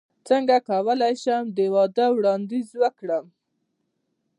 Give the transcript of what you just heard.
څنګه کولی شم د واده وړاندیز وکړم